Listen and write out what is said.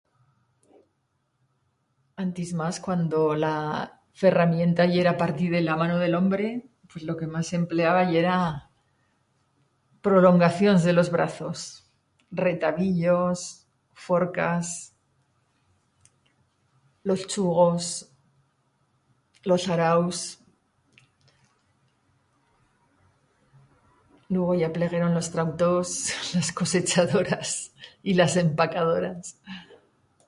Antis mas cuando la ferramienta yera parti de la mano de l'hombre, pues lo que mas s'empleaba yera prolongacions de los brazos: retabillos, forcas, los chugos, los araus... lugo ya plegueron los trautors, las cosechadoras y las empacadoras.